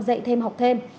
dạy thêm học thêm